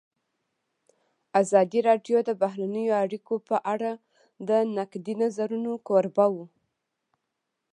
ازادي راډیو د بهرنۍ اړیکې په اړه د نقدي نظرونو کوربه وه.